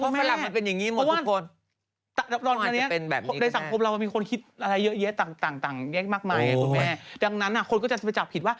ในสังคมของเรามีคนฮิตในต่างเลี้ยงมีความจับผิด